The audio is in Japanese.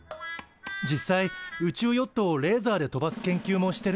実際宇宙ヨットをレーザーで飛ばす研究もしてるしね。